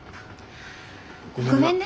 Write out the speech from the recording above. ごめんな。